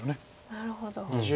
なるほど。